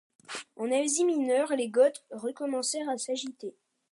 En Asie mineure, les Goths recommencèrent à s’agiter.